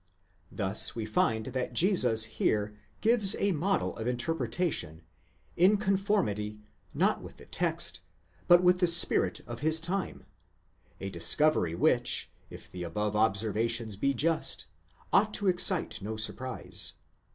Thus we find that Jesus here gives a model of interpretation, in conformity, not with the text, but with the spirit of his time : a discovery which, if the above observations be just, ought to excite no surprise.